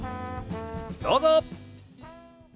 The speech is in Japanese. どうぞ。